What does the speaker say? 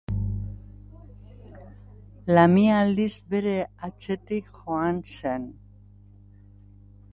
Lamia aldiz bere atzetik joan zen.